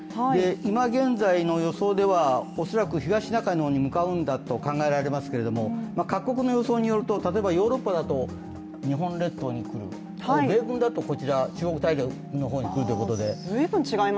いま現在の予想では恐らく東シナ海の方に向かうんだと考えられますけれども、各国の予想によりますとヨーロッパだと日本列島に来る、あるいは中国大陸の方に来るということで。